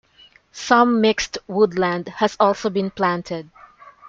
Some mixed woodland has also been planted.